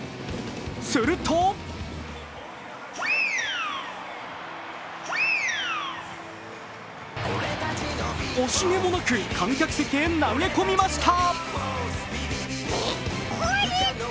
すると惜しげもなく観客席へ投げ込みました。